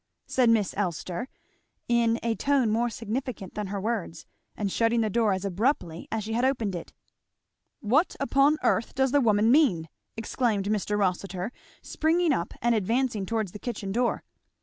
said Miss Elster, in a tone more significant than her words, and shutting the door as abruptly as she had opened it. "What upon earth does the woman mean?" exclaimed Mr. Rossitur, springing up and advancing towards the kitchen door.